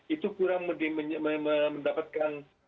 itu kurang mendapatkan